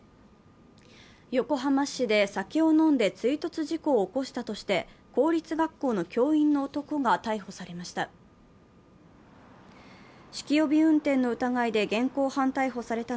横浜市で酒を飲んで追突事故を起こしたとして公立学校の教員の男が逮捕されました。